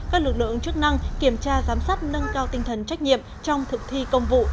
các lực lượng chức năng kiểm tra giám sát nâng cao tinh thần trách nhiệm trong thực thi công vụ